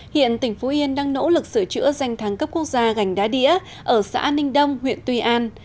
hiện tỉnh phú yên đang nỗ lực sửa chữa danh thắng cấp quốc gia gành đá đĩa ở xã ninh đông huyện tuy an